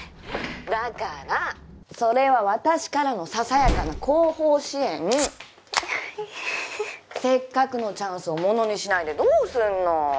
だからそれは私からのささやかな後方支援せっかくのチャンスをモノにしないでどうすんの？